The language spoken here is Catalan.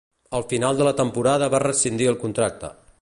Al final de la temporada va rescindir el contracte.